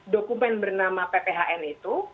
dokumen bernama pphn itu